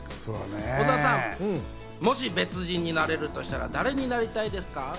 小澤さん、もし別人になれるとしたら、誰になりたいですか？